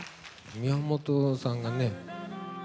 宮本さんがね